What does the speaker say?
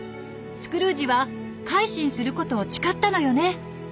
スクルージは改心することを誓ったのよね。